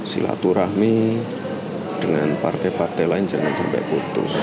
silaturahmi dengan partai partai lain jangan sampai putus